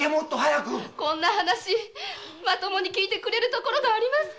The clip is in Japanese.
こんな話まともに聞いてくれるところがありますか！